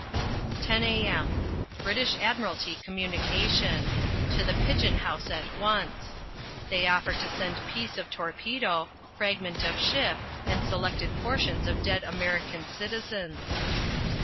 10 a.m. British Admiralty communication. To the pigeon house at once. They offer to send piece of torpedo, fragment of ship and selected portions of dead American citizens.